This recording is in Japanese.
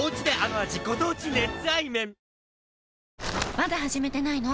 まだ始めてないの？